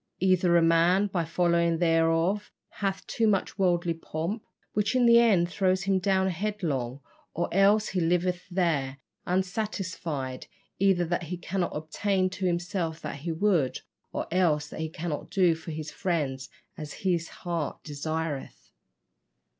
Either a man, by following thereof, hath too much worldly pomp, which in the end throws him down headlong, or else he liveth there unsatisfied, either that he cannot obtain to himself that he would, or else that he cannot do for his friends as his heart desireth."